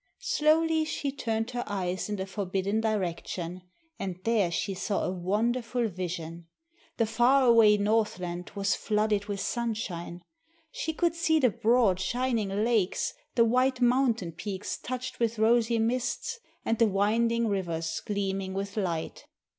Slowly she turned her eyes in the forbidden direction and there she saw a wonderful vision. The far away Northland was flooded with sunshine. She could see the broad, shining lakes, the white mountain peaks touched with rosy mists, and the winding rivers gleaming with light.